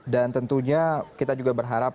dan tentunya kita juga berharap